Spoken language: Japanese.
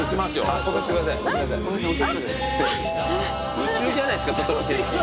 夢中じゃないですか外の景色。